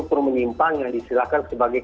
permenyimpang yang disilakan sebagai